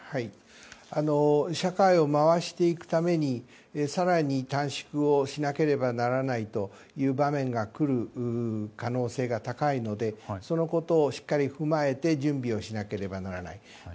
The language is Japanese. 社会を回していくために更に短縮をしなければならない場面が来る可能性が高いのでそのことをしっかり踏まえて準備をしなければならない。